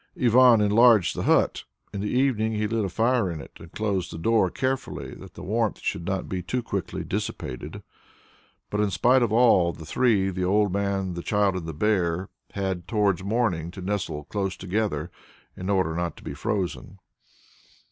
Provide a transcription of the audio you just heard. Ivan enlarged the hut; in the evening he lit the fire in it, and closed the door carefully that the warmth should not be too quickly dissipated. But in spite of all, the three the old man, the child and the bear had, towards morning, to nestle close together in order not to be frozen.